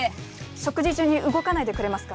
食事中に動かないでくれますか。